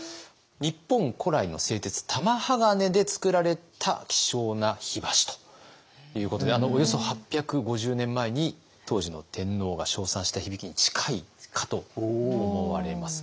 日本古来の製鉄玉鋼でつくられた希少な火箸ということでおよそ８５０年前に当時の天皇が称賛した響きに近いかと思われます。